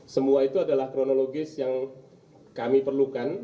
semua itu adalah kronologis yang kami perlukan